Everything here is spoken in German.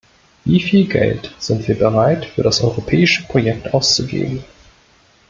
Wie viel Geld sind wir bereit, für das europäische Projekt auszugeben?